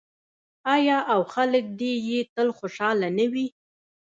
آیا او خلک دې یې تل خوشحاله نه وي؟